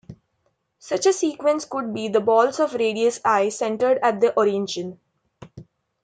Such a sequence could be the balls of radius "i" centered at the origin.